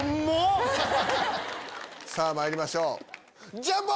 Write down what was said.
さぁまいりましょうジャンボ！